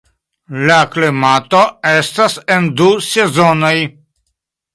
La klimato estas en du sezonoj.